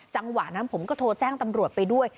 จังหวะนั้นผมก็โทรแจ้งตำรวจไปด้วย